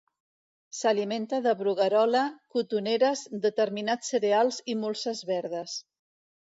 S'alimenta de bruguerola, cotoneres, determinats cereals i molses verdes.